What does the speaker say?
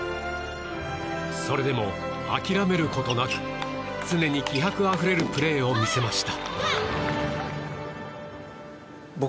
それでも諦めることなく常に気迫あふれるプレーを見せました。